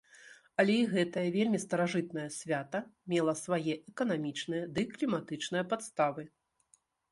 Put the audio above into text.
Але і гэтае вельмі старажытнае свята мела свае эканамічныя ды кліматычныя падставы.